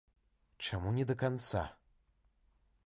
Чаму не да канца?